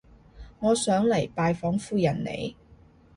我想嚟拜訪夫人你